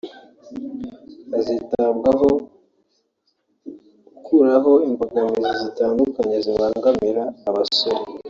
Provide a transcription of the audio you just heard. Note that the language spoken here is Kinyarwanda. hazitabwaho gukuraho imbogamizi zitandukanye zibangamira abasora